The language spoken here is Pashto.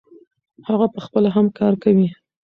هغه پخپله هم کار کوي.